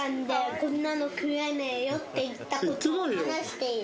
こんなの食えねえよって言ったことを話している。